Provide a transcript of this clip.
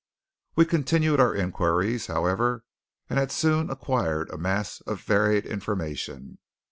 We continued our inquiries, however, and had soon acquired a mass of varied information.